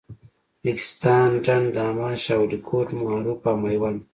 ریګستان، ډنډ، دامان، شاولیکوټ، معروف او میوند.